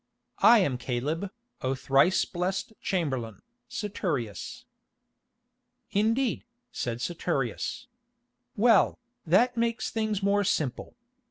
"I am Caleb, O thrice blessed chamberlain, Saturius." "Indeed," said Saturius. "Well, that makes things more simple.